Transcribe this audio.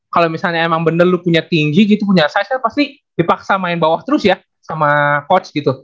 kalau misalnya emang bener lu punya tinggi gitu punya saya pasti dipaksa main bawah terus ya sama coach gitu